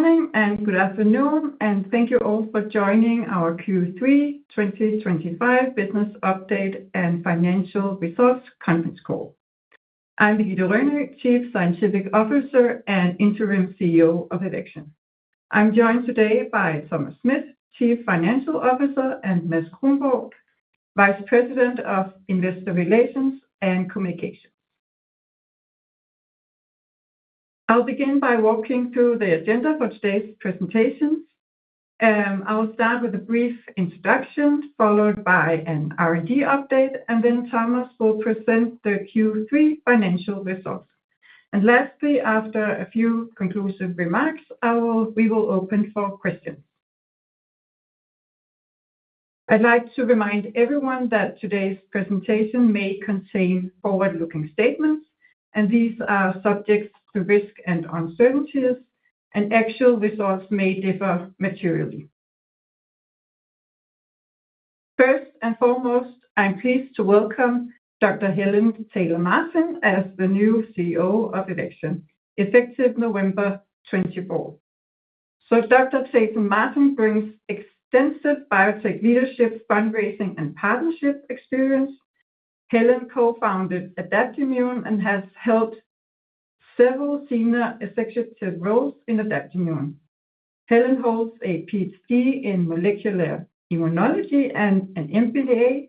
Morning and good afternoon, and thank you all for joining our Q3 2025 Business Update and Financial Results Conference Call. I'm Birgitte Rønø, Chief Scientific Officer and Interim CEO of Evaxion. I'm joined today by Thomas Schmidt, Chief Financial Officer, and Mads Kronborg, Vice President of Investor Relations and Communications. I'll begin by walking through the agenda for today's presentations. I'll start with a brief introduction, followed by an R&D update, and then Thomas will present the Q3 financial results. And lastly, after a few conclusive remarks, we will open for questions. I'd like to remind everyone that today's presentation may contain forward-looking statements, and these are subject to risk and uncertainties, and actual results may differ materially. First and foremost, I'm pleased to welcome effective November 24. So Dr. Tayton-Martin brings extensive biotech leadership, fundraising, and partnership experience. Helen co-founded Adaptimmune and has held several senior executive roles in Adaptimmune. Helen holds a PhD in molecular immunology and an MBA,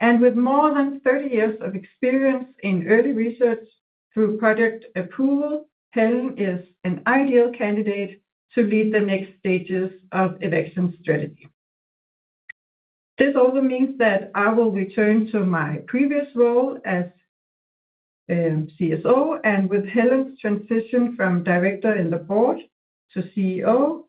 and with more than 30 years of experience in early research through product approval, Helen is an ideal candidate to lead the next stages of Evaxion's strategy. This also means that I will return to my previous role as CSO, and with Helen's transition from director on the board to CEO,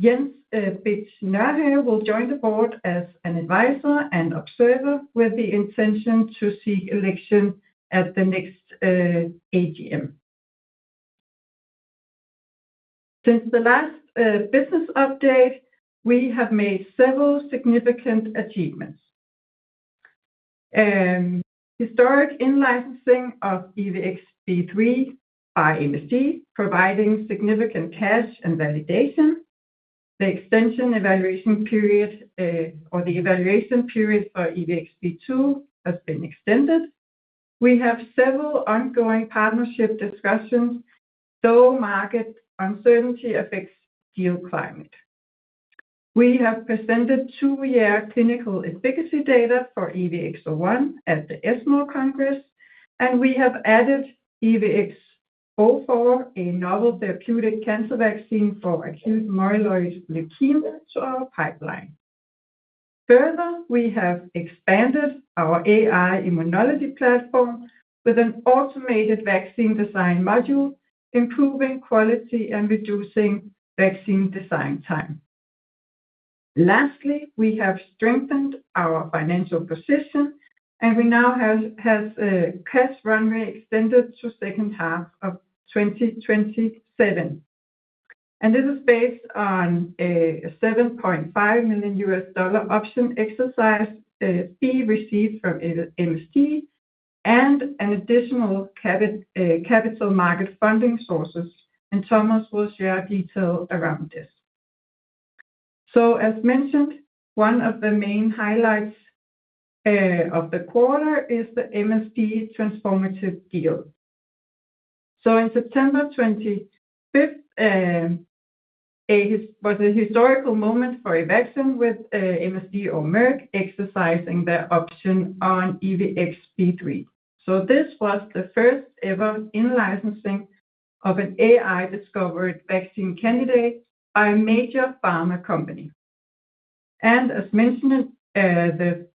Jens Bitsch-Nørhave will join the board as an advisor and observer with the intention to seek election at the next AGM. Since the last business update, we have made several significant achievements: historic in-licensing of EVX-B3 by MSD, providing significant cash and validation. The extended evaluation period for EVX-B2 has been extended. We have several ongoing partnership discussions, though market uncertainty affects deal climate. We have presented two-year clinical efficacy data for EVX-01 at the ESMO Congress, and we have added EVX-04, a novel therapeutic cancer vaccine for acute myeloid leukemia, to our pipeline. Further, we have expanded our AI-Immunology platform with an automated vaccine design module, improving quality and reducing vaccine design time. Lastly, we have strengthened our financial position, and we now have cash runway extended to the second half of 2027, and this is based on a $7.5 million option exercise fee received from MSD and an additional capital market funding sources, and Thomas will share details around this. As mentioned, one of the main highlights of the quarter is the MSD transformative deal. In September 25th, it was a historical moment for Evaxion, with MSD or Merck exercising their option on EVX-B3. This was the first-ever in-licensing of an AI-discovered vaccine candidate by a major pharma company. As mentioned, the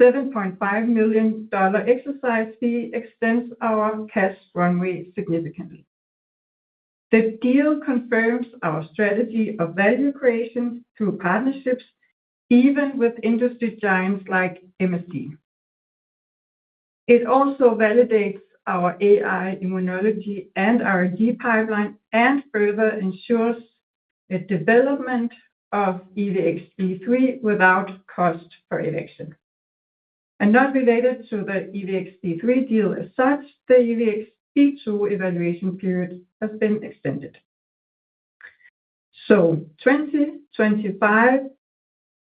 $7.5 million exercise fee extends our cash runway significantly. The deal confirms our strategy of value creation through partnerships, even with industry giants like MSD. It also validates our AI-Immunology and R&D pipeline and further ensures the development of EVX-B3 without cost for Evaxion. Not related to the EVX-B3 deal as such, the EVX-B2 evaluation period has been extended. 2025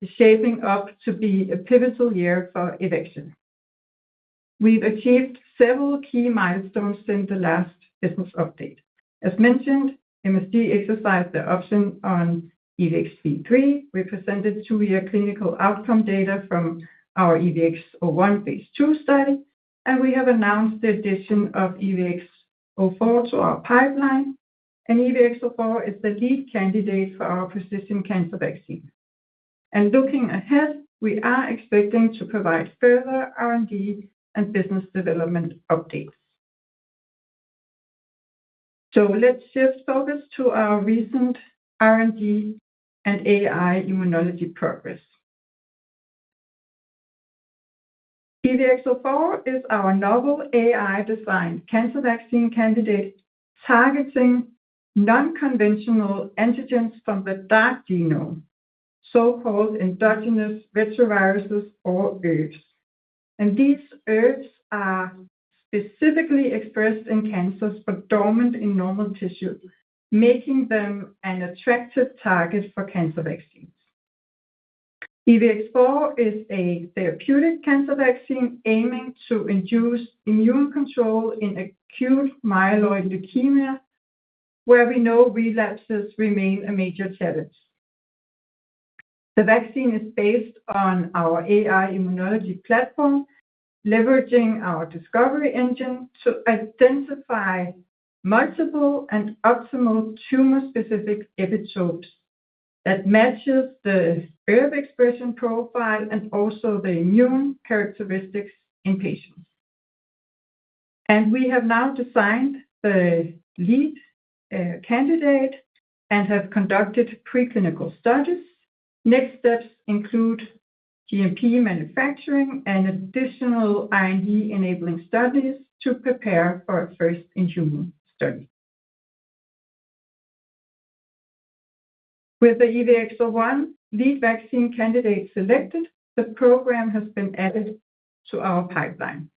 is shaping up to be a pivotal year for Evaxion. We've achieved several key milestones since the last business update. As mentioned, MSD exercised their option on EVX-B3, we presented two-year clinical outcome data from our EVX-01 phase II study, and we have announced the addition of EVX-04 to our pipeline, and EVX-04 is the lead candidate for our precision cancer vaccine, and looking ahead, we are expecting to provide further R&D and business development updates, so let's shift focus to our recent R&D and AI-Immunology progress. EVX-04 is our novel AI-designed cancer vaccine candidate targeting non-conventional antigens from the dark genome, so-called endogenous retroviruses or ERVs. And these ERVs are specifically expressed in cancers predominant in normal tissue, making them an attractive target for cancer vaccines. EVX-04 is a therapeutic cancer vaccine aiming to induce immune control in acute myeloid leukemia, where we know relapses remain a major challenge. The vaccine is based on our AI-immunology platform, leveraging our discovery engine to identify multiple and optimal tumor-specific epitopes that match the ERV expression profile and also the immune characteristics in patients, and we have now designed the lead candidate and have conducted preclinical studies. Next steps include GMP manufacturing and additional R&D enabling studies to prepare for a first-in-human study. With the EVX-01 lead vaccine candidate selected, the program has been added to our pipeline.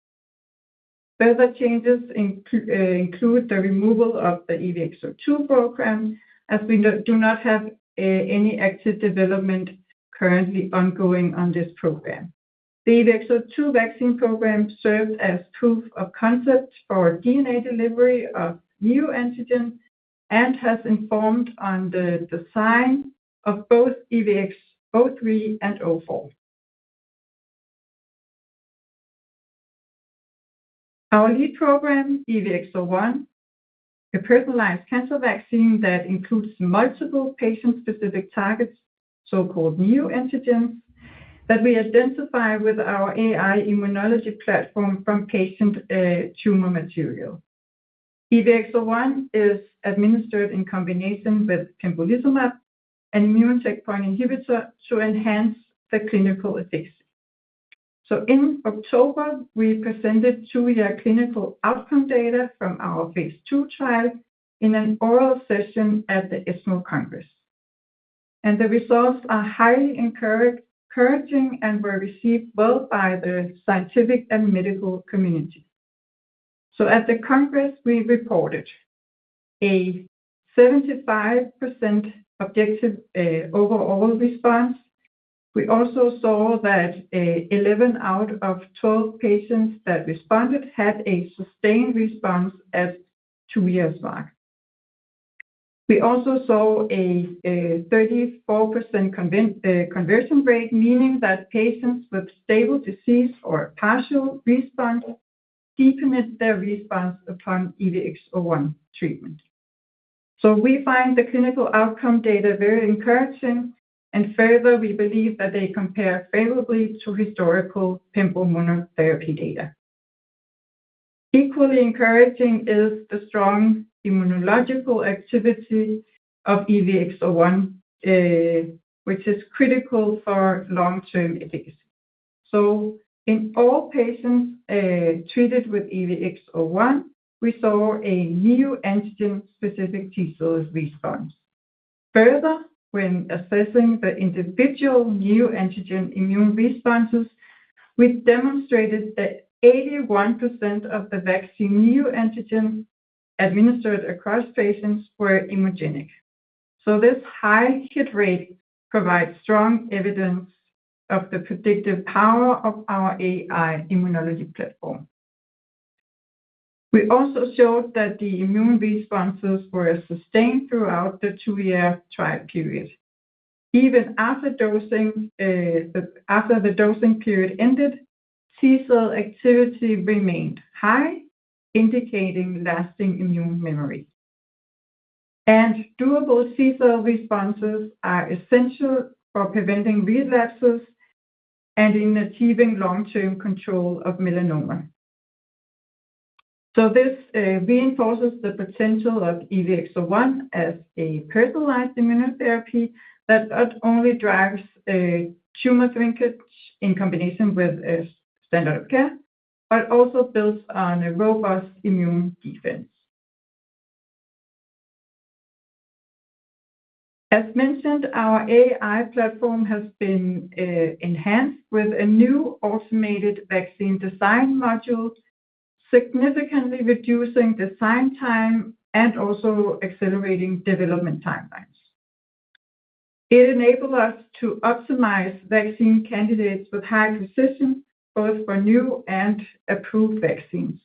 Further changes include the removal of the EVX-02 program, as we do not have any active development currently ongoing on this program. The EVX-02 vaccine program served as proof of concept for DNA delivery of neoantigen and has informed on the design of both EVX-03 and EVX-04. Our lead program, EVX-01, is a personalized cancer vaccine that includes multiple patient-specific targets, so-called neoantigens, that we identify with our AI-Immunology platform from patient tumor material. EVX-01 is administered in combination with pembrolizumab, an immune checkpoint inhibitor, to enhance the clinical efficacy. In October, we presented two-year clinical outcome data from our phase II trial in an oral session at the ESMO Congress. The results are highly encouraging and were received well by the scientific and medical community. At the congress, we reported a 75% objective overall response. We also saw that 11 out of 12 patients that responded had a sustained response at two-year mark. We also saw a 34% conversion rate, meaning that patients with stable disease or partial response deepened their response upon EVX-01 treatment. So, we find the clinical outcome data very encouraging, and further, we believe that they compare favorably to historical pembrolizumab therapy data. Equally encouraging is the strong immunological activity of EVX-01, which is critical for long-term efficacy. So, in all patients treated with EVX-01, we saw a neoantigen-specific T-cell response. Further, when assessing the individual neoantigen immune responses, we demonstrated that 81% of the vaccine neoantigens administered across patients were immunogenic. So, this high hit rate provides strong evidence of the predictive power of our AI-immunology platform. We also showed that the immune responses were sustained throughout the two-year trial period. Even after the dosing period ended, T-cell activity remained high, indicating lasting immune memory. And durable T-cell responses are essential for preventing relapses and in achieving long-term control of melanoma. This reinforces the potential of EVX-01 as a personalized immunotherapy that not only drives tumor shrinkage in combination with a standard of care, but also builds on a robust immune defense. As mentioned, our AI platform has been enhanced with a new automated vaccine design module, significantly reducing design time and also accelerating development timelines. It enables us to optimize vaccine candidates with high precision, both for new and approved vaccines.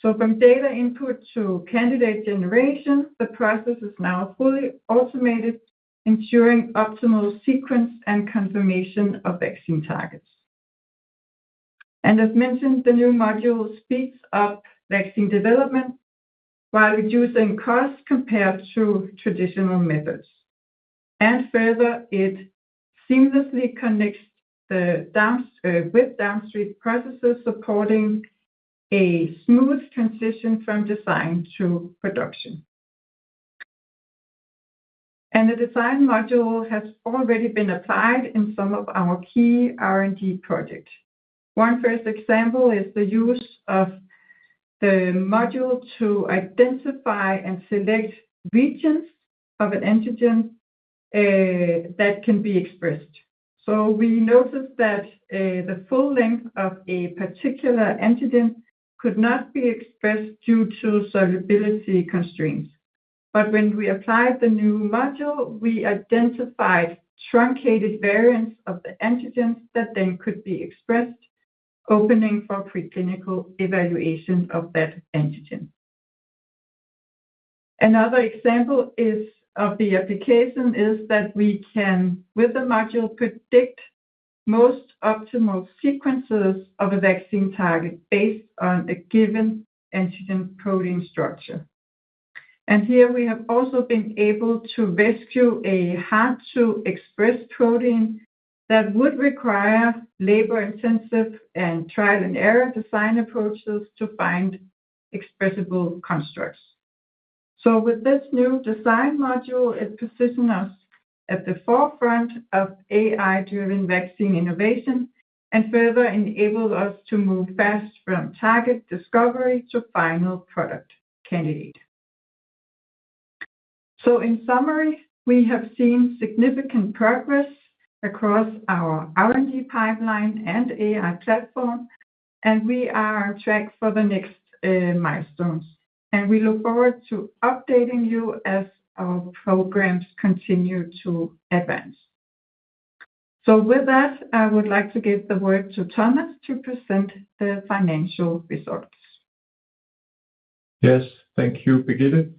From data input to candidate generation, the process is now fully automated, ensuring optimal sequence and conformation of vaccine targets. As mentioned, the new module speeds up vaccine development while reducing costs compared to traditional methods. Further, it seamlessly connects the downstream processes, supporting a smooth transition from design to production. The design module has already been applied in some of our key R&D projects. Our first example is the use of the module to identify and select regions of an antigen that can be expressed. We noticed that the full length of a particular antigen could not be expressed due to solubility constraints. When we applied the new module, we identified truncated variants of the antigens that then could be expressed, opening for preclinical evaluation of that antigen. Another example of the application is that we can, with the module, predict most optimal sequences of a vaccine target based on a given antigen protein structure. Here, we have also been able to rescue a hard-to-express protein that would require labor-intensive and trial-and-error design approaches to find expressible constructs. With this new design module, it positioned us at the forefront of AI-driven vaccine innovation and further enabled us to move fast from target discovery to final product candidate. So, in summary, we have seen significant progress across our R&D pipeline and AI platform, and we are on track for the next milestones. And we look forward to updating you as our programs continue to advance. So, with that, I would like to give the word to Thomas to present the financial results. Yes, thank you, Birgitte.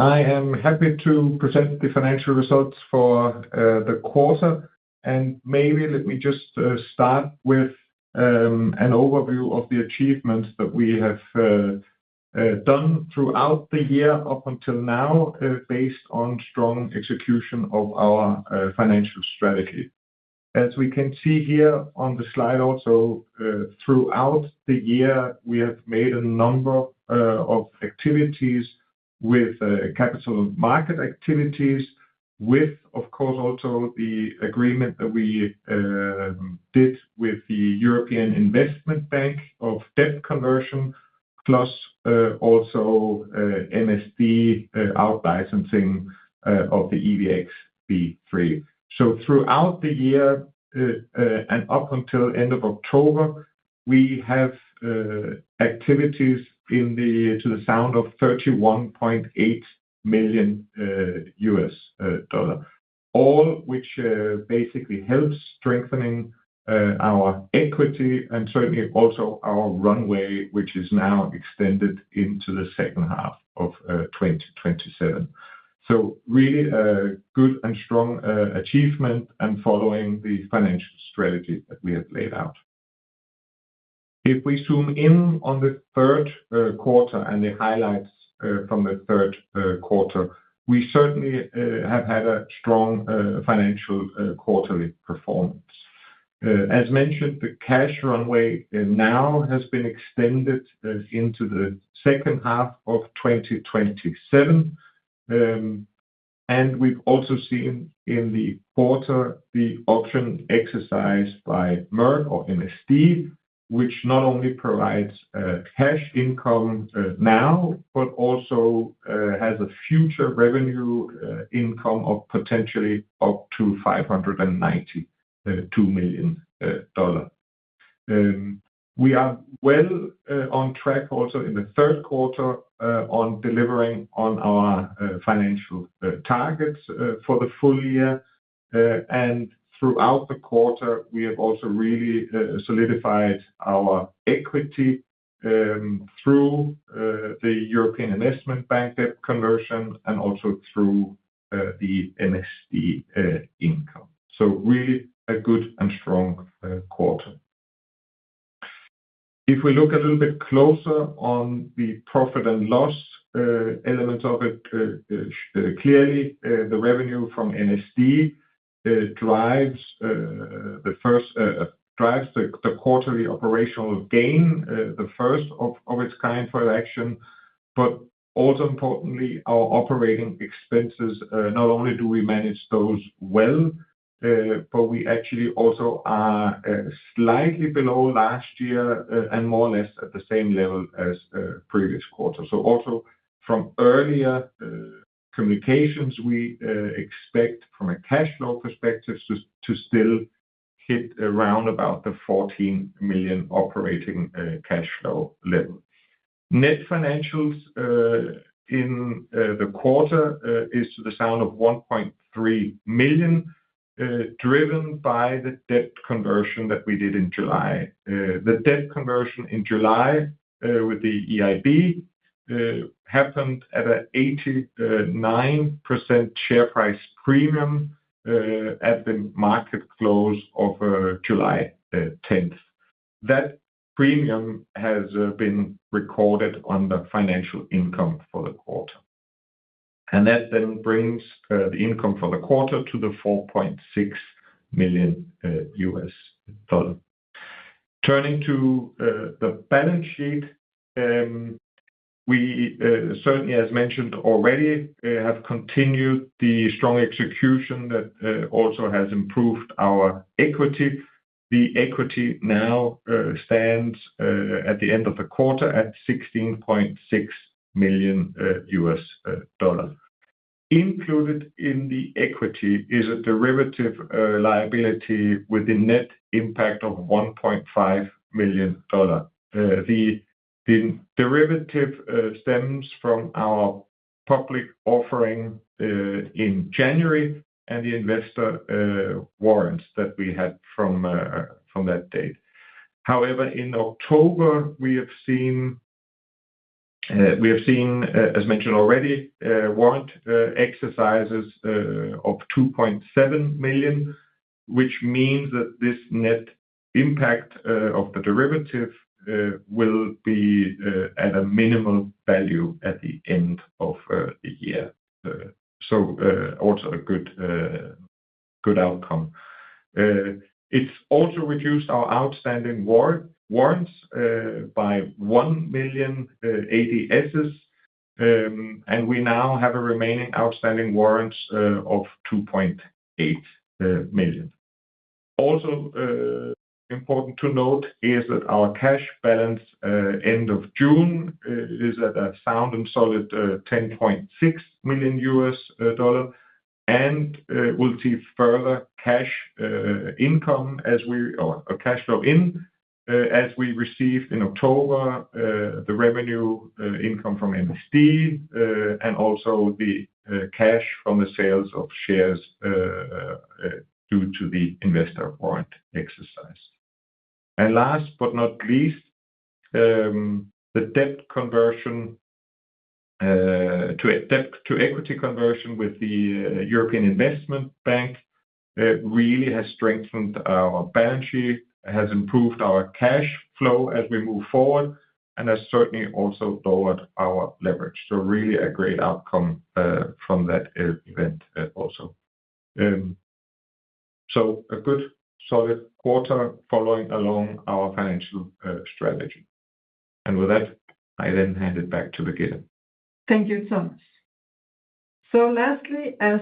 I am happy to present the financial results for the quarter. And maybe let me just start with an overview of the achievements that we have done throughout the year up until now, based on strong execution of our financial strategy. As we can see here on the slide also, throughout the year, we have made a number of activities with capital market activities, with, of course, also the agreement that we did with the European Investment Bank of debt conversion, plus also MSD out-licensing of the EVX-B3. So, throughout the year and up until the end of October, we have activities to the amount of $31.8 million, all which basically helps strengthen our equity and certainly also our runway, which is now extended into the second half of 2027. So, really a good and strong achievement and following the financial strategy that we have laid out. If we zoom in on the third quarter and the highlights from the third quarter, we certainly have had a strong financial quarterly performance. As mentioned, the cash runway now has been extended into the second half of 2027. And we've also seen in the quarter the option exercised by Merck or MSD, which not only provides cash income now, but also has a future revenue income of potentially up to $592 million. We are well on track also in the third quarter on delivering on our financial targets for the full year, and throughout the quarter, we have also really solidified our equity through the European Investment Bank debt conversion and also through the MSD income, so really a good and strong quarter. If we look a little bit closer on the profit and loss element of it, clearly the revenue from MSD drives the quarterly operational gain, the first of its kind for Evaxion, but also importantly, our operating expenses, not only do we manage those well, but we actually also are slightly below last year and more or less at the same level as previous quarter, so also from earlier communications, we expect from a cash flow perspective to still hit around about the $14 million operating cash flow level. Net financials in the quarter is to the tune of $1.3 million, driven by the debt conversion that we did in July. The debt conversion in July with the EIB happened at an 89% share price premium at the market close of July 10th. That premium has been recorded on the financial income for the quarter, and that then brings the income for the quarter to $4.6 million. Turning to the balance sheet, we certainly, as mentioned already, have continued the strong execution that also has improved our equity. The equity now stands at the end of the quarter at $16.6 million. Included in the equity is a derivative liability with a net impact of $1.5 million. The derivative stems from our public offering in January and the investor warrants that we had from that date. However, in October, we have seen, as mentioned already, warrant exercises of 2.7 million, which means that this net impact of the derivative will be at a minimal value at the end of the year, so also a good outcome. It's also reduced our outstanding warrants by 1 million ADSs, and we now have a remaining outstanding warrant of 2.8 million. Also, important to note is that our cash balance end of June is at a sound and solid $10.6 million, and we'll see further cash income as we or cash flow in as we received in October, the revenue income from MSD and also the cash from the sales of shares due to the investor warrant exercise. And last but not least, the debt conversion to equity conversion with the European Investment Bank really has strengthened our balance sheet, has improved our cash flow as we move forward, and has certainly also lowered our leverage. So, really a great outcome from that event also. So, a good solid quarter following along our financial strategy. And with that, I then hand it back to Birgitte. Thank you, Thomas. So, lastly, as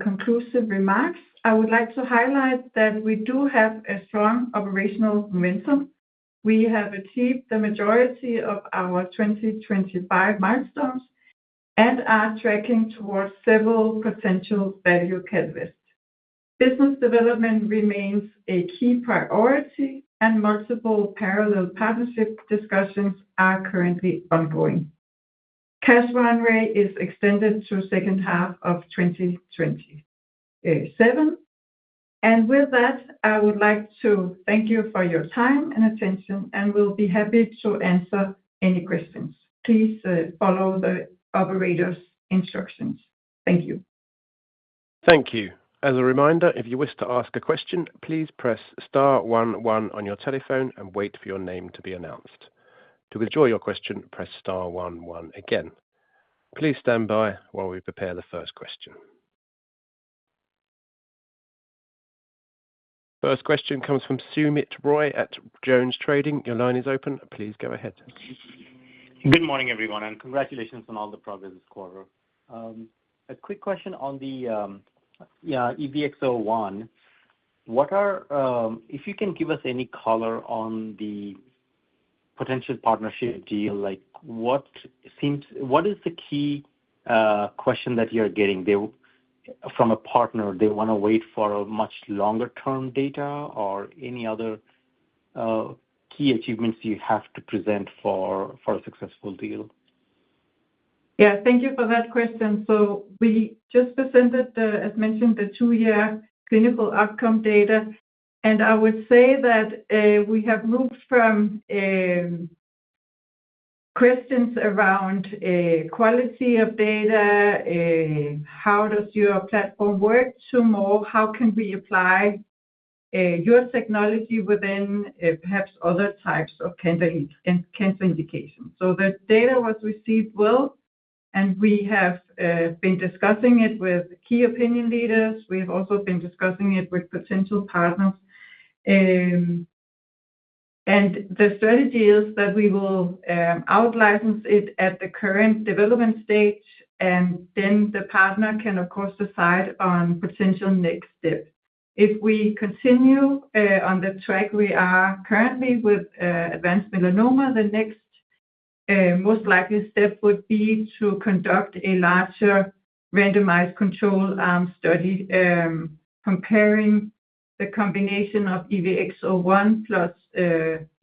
conclusive remarks, I would like to highlight that we do have a strong operational momentum. We have achieved the majority of our 2025 milestones and are tracking towards several potential value catalysts. Business development remains a key priority, and multiple parallel partnership discussions are currently ongoing. Cash runway is extended to the second half of 2027. And with that, I would like to thank you for your time and attention, and we'll be happy to answer any questions. Please follow the operators' instructions. Thank you. Thank you. As a reminder, if you wish to ask a question, please press star one one on your telephone and wait for your name to be announced. To withdraw your question, press star one one again. Please stand by while we prepare the first question. First question comes from Soumit Roy at JonesTrading. Your line is open. Please go ahead. Good morning, everyone, and congratulations on all the progress this quarter. A quick question on the EVX-01. If you can give us any color on the potential partnership deal, what is the key question that you're getting from a partner? Do they want to wait for much longer-term data or any other key achievements you have to present for a successful deal? Yeah, thank you for that question. So, we just presented, as mentioned, the two-year clinical outcome data. And I would say that we have moved from questions around quality of data, how does your platform work, to more, how can we apply your technology within perhaps other types of cancer indications. So, the data was received well, and we have been discussing it with key opinion leaders. We have also been discussing it with potential partners. And the strategy is that we will out-license it at the current development stage, and then the partner can, of course, decide on potential next steps. If we continue on the track we are currently with advanced melanoma, the next most likely step would be to conduct a larger randomized control arm study comparing the combination of EVX-01 plus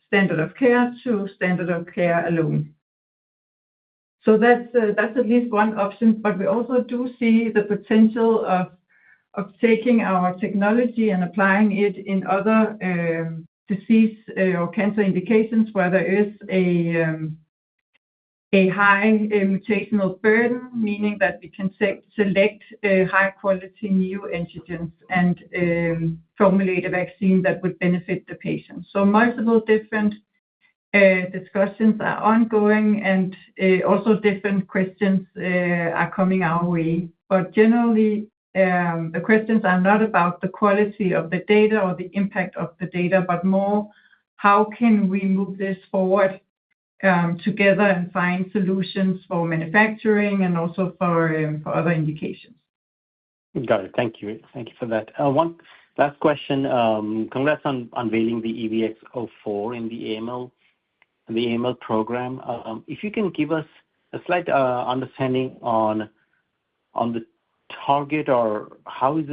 standard of care to standard of care alone, so that's at least one option, but we also do see the potential of taking our technology and applying it in other disease or cancer indications where there is a high mutational burden, meaning that we can select high-quality new antigens and formulate a vaccine that would benefit the patient, so multiple different discussions are ongoing, and also different questions are coming our way, but generally, the questions are not about the quality of the data or the impact of the data, but more how can we move this forward together and find solutions for manufacturing and also for other indications. Got it. Thank you. Thank you for that. One last question. Congrats on unveiling the EVX-04 in the AML program. If you can give us a slight understanding on the target or how is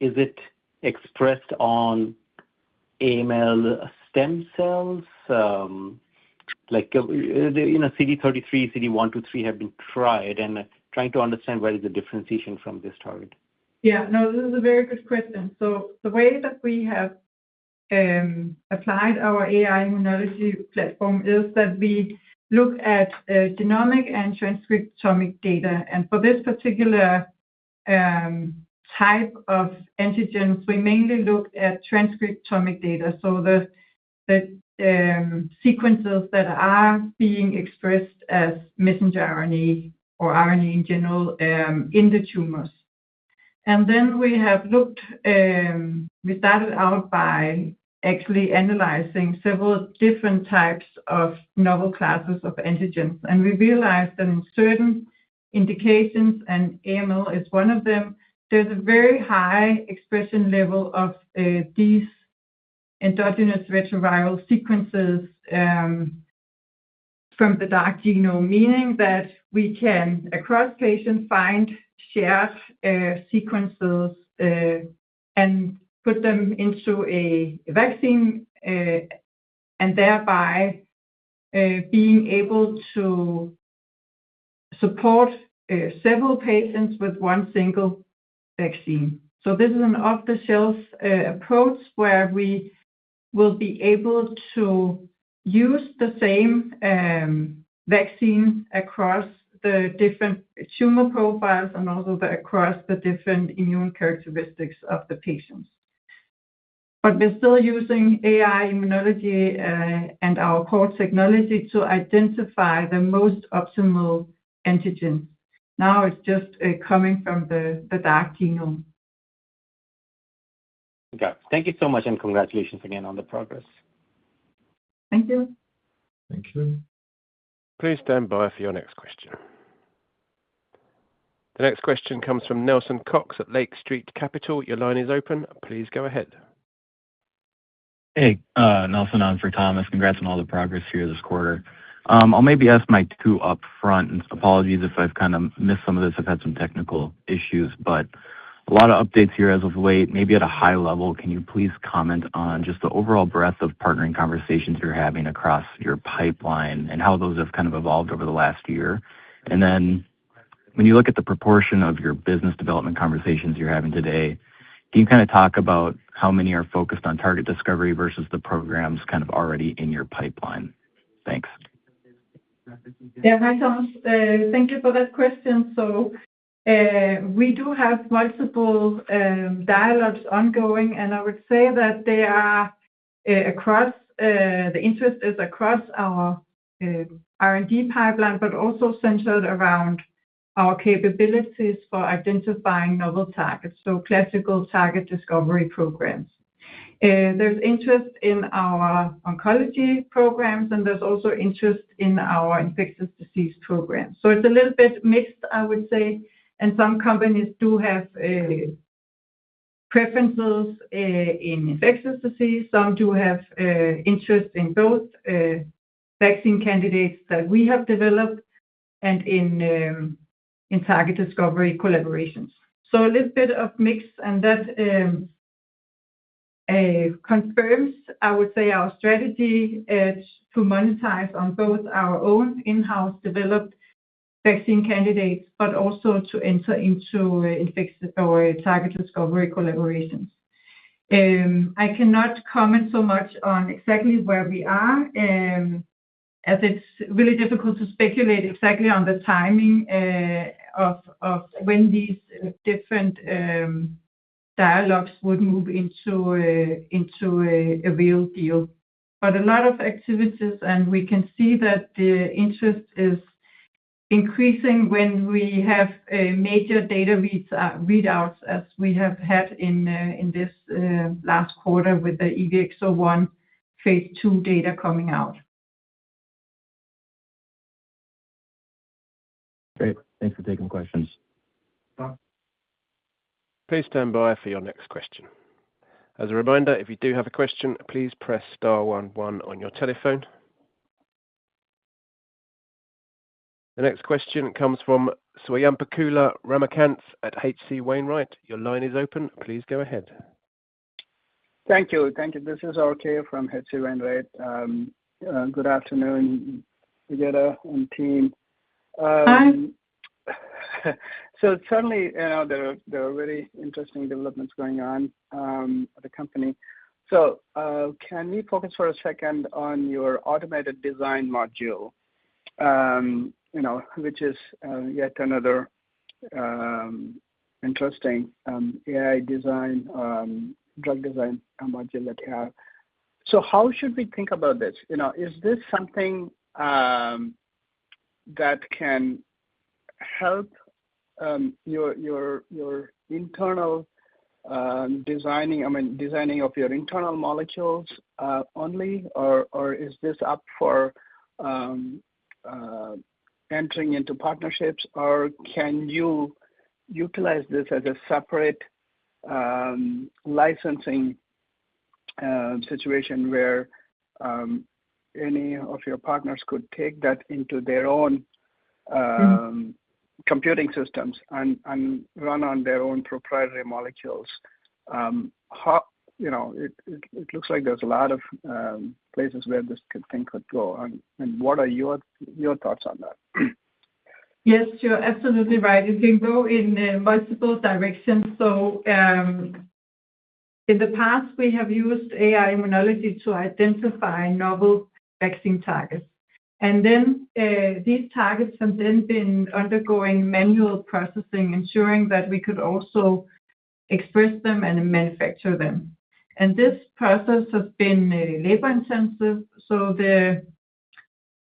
it expressed on AML stem cells? CD33, CD123 have been tried, and trying to understand what is the differentiation from this target. Yeah. No, this is a very good question. So, the way that we have applied our AI-Immunology platform is that we look at genomic and transcriptomic data. And for this particular type of antigens, we mainly look at transcriptomic data. So, the sequences that are being expressed as messenger RNA or RNA in general in the tumors. And then we started out by actually analyzing several different types of novel classes of antigens. And we realized that in certain indications, and AML is one of them, there's a very high expression level of these endogenous retroviral sequences from the dark genome, meaning that we can, across patients, find shared sequences and put them into a vaccine and thereby being able to support several patients with one single vaccine. So, this is an off-the-shelf approach where we will be able to use the same vaccine across the different tumor profiles and also across the different immune characteristics of the patients. But we're still using AI-Immunology and our core technology to identify the most optimal antigens. Now it's just coming from the dark genome. Got it. Thank you so much, and congratulations again on the progress. Thank you. Thank you. Please stand by for your next question. The next question comes from Nelson Cox at Lake Street Capital. Your line is open. Please go ahead. Hey, Nelson on for Thomas. Congrats on all the progress here this quarter. I'll maybe ask my two upfront apologies if I've kind of missed some of this. I've had some technical issues, but a lot of updates here as of late. Maybe at a high level, can you please comment on just the overall breadth of partnering conversations you're having across your pipeline and how those have kind of evolved over the last year? And then when you look at the proportion of your business development conversations you're having today, can you kind of talk about how many are focused on target discovery versus the programs kind of already in your pipeline? Thanks. Yeah, hi Thomas. Thank you for that question. So, we do have multiple dialogues ongoing, and I would say that the interest is across our R&D pipeline, but also centered around our capabilities for identifying novel targets, so classical target discovery programs. There's interest in our oncology programs, and there's also interest in our infectious disease programs. It's a little bit mixed, I would say, and some companies do have preferences in infectious disease. Some do have interest in both vaccine candidates that we have developed and in target discovery collaborations, so a little bit of mix, and that confirms, I would say, our strategy to monetize on both our own in-house developed vaccine candidates, but also to enter into target discovery collaborations. I cannot comment so much on exactly where we are, as it's really difficult to speculate exactly on the timing of when these different dialogues would move into a real deal. But a lot of activities, and we can see that the interest is increasing when we have major data readouts, as we have had in this last quarter with the EVX-01 phase II data coming out. Great. Thanks for taking questions. Please stand by for your next question. As a reminder, if you do have a question, please press star one one on your telephone. The next question comes from Swayampakula Ramakanth at H.C. Wainwright. Your line is open. Please go ahead. Thank you. Thank you. This is RK from H.C. Wainwright. Good afternoon, Birgitte and team. Hi. So, certainly, there are very interesting developments going on at the company. So, can we focus for a second on your automated design module, which is yet another interesting AI design drug design module that you have? So, how should we think about this? Is this something that can help your internal designing I mean, designing of your internal molecules only, or is this up for entering into partnerships, or can you utilize this as a separate licensing situation where any of your partners could take that into their own computing systems and run on their own proprietary molecules? It looks like there's a lot of places where this thing could go. And what are your thoughts on that? Yes, you're absolutely right. It can go in multiple directions. So, in the past, we have used AI-Immunology to identify novel vaccine targets. And then these targets have then been undergoing manual processing, ensuring that we could also express them and manufacture them. And this process has been labor-intensive. So, the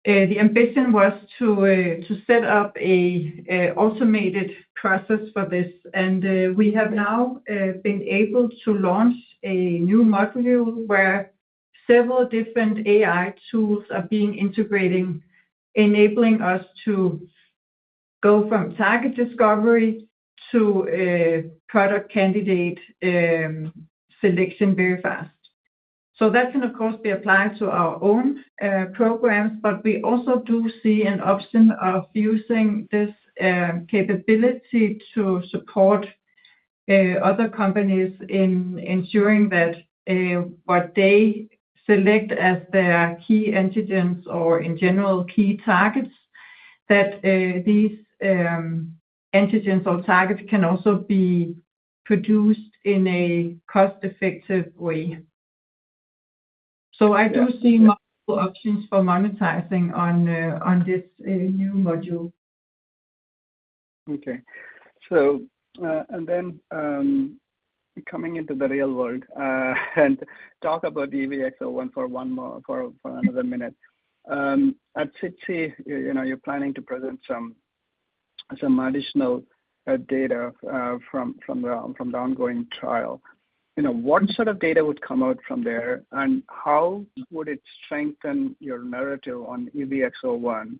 ambition was to set up an automated process for this. We have now been able to launch a new module where several different AI tools are being integrated, enabling us to go from target discovery to product candidate selection very fast. So, that can, of course, be applied to our own programs, but we also do see an option of using this capability to support other companies in ensuring that what they select as their key antigens or, in general, key targets, that these antigens or targets can also be produced in a cost-effective way. So, I do see multiple options for monetizing on this new module. Okay. So, and then coming into the real world and talk about EVX-01 for another minute. At ESMO, you are planning to present some additional data from the ongoing trial. What sort of data would come out from there, and how would it strengthen your narrative on EVX-01,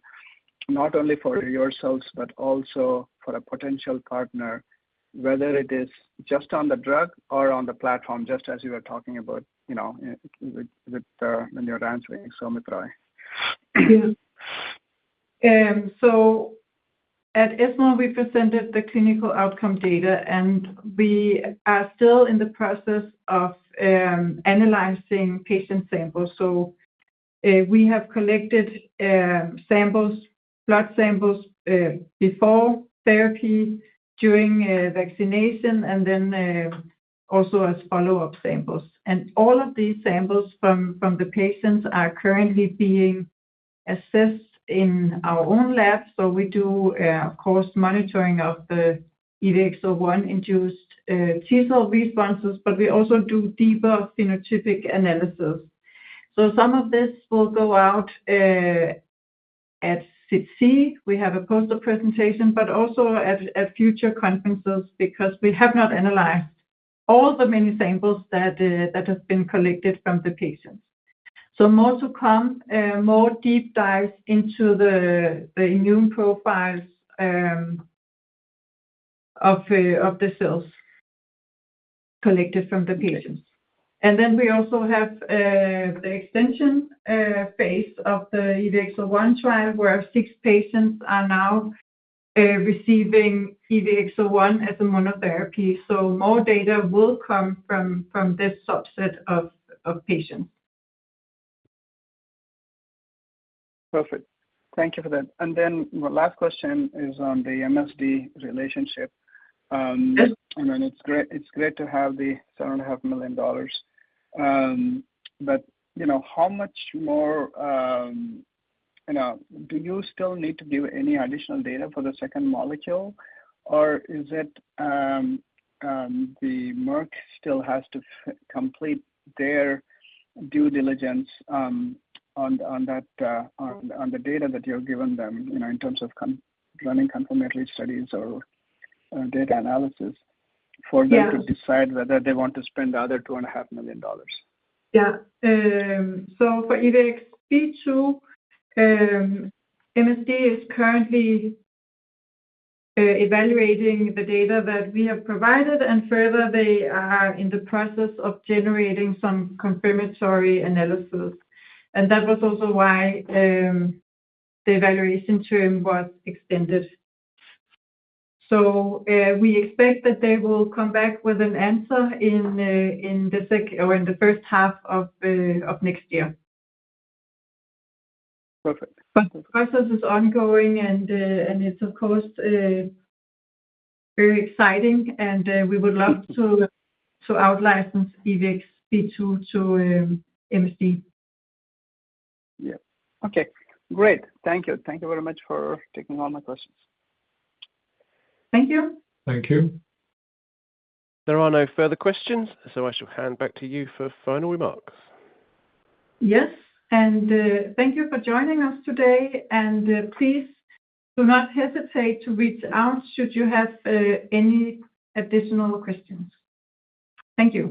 not only for yourselves but also for a potential partner, whether it is just on the drug or on the platform, just as you were talking about when you were answering, Soumit Roy? Yeah. So, at ESMO, we presented the clinical outcome data, and we are still in the process of analyzing patient samples. So, we have collected blood samples before therapy, during vaccination, and then also as follow-up samples. And all of these samples from the patients are currently being assessed in our own lab. So, we do, of course, monitoring of the EVX-01-induced T-cell responses, but we also do deeper phenotypic analysis. So, some of this will go out at SITC. We have a poster presentation, but also at future conferences because we have not analyzed all the many samples that have been collected from the patients, so more to come, more deep dives into the immune profiles of the cells collected from the patients, and then we also have the extension phase of the EVX-01 trial, where six patients are now receiving EVX-01 as a monotherapy, so more data will come from this subset of patients. Perfect. Thank you for that, and then my last question is on the MSD relationship. I mean, it's great to have the $7.5 million, but how much more do you still need to give any additional data for the second molecule, or is it the Merck still has to complete their due diligence on the data that you're giving them in terms of running confirmatory studies or data analysis for them to decide whether they want to spend the other $2.5 million? Yeah. So, for EVX-B2, MSD is currently evaluating the data that we have provided, and further, they are in the process of generating some confirmatory analysis, and that was also why the evaluation period was extended, so we expect that they will come back with an answer in the second or in the first half of next year. Perfect. The process is ongoing, and it's, of course, very exciting, and we would love to out-license EVX-B2 to MSD. Yeah. Okay. Great. Thank you. Thank you very much for taking all my questions. Thank you. Thank you. There are no further questions, so I shall hand back to you for final remarks. Yes, and thank you for joining us today, and please do not hesitate to reach out should you have any additional questions. Thank you.